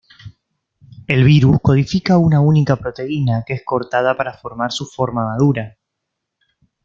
El virus codifica una única proteína que es cortada para formar su forma madura.